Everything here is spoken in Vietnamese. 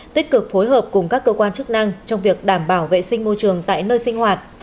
tích cực phối hợp cùng các cơ quan chức năng trong việc đảm bảo vệ sinh môi trường tại nơi sinh hoạt